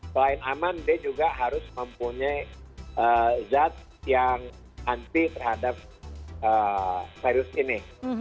selain aman dia juga harus mempunyai zat yang anti terhadap virus ini